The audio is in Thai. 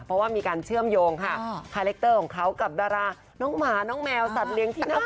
เพราะว่ามีการเชื่อมโยงค่ะคาแรคเตอร์ของเขากับดาราน้องหมาน้องแมวสัตว์เลี้ยสุนัข